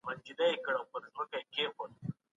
د سیاست په پېچلتیاوو پوه سئ.